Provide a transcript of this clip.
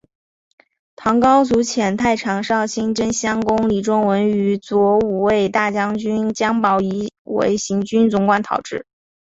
唐高祖遣太常少卿真乡公李仲文与左武卫大将军姜宝谊为行军总管讨之。